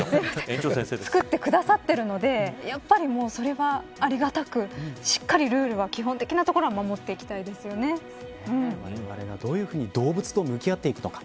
作ってくださってるのでやっぱり、それはありがたくしっかりルールは基本的なところは守っていきたいわれわれが、どういうふうに動物と向き合っていくのか